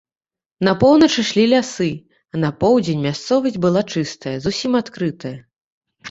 На поўнач ішлі лясы, а на поўдзень мясцовасць была чыстая, зусім адкрытая.